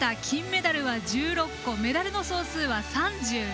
金メダルは１６個メダルの総数は３７。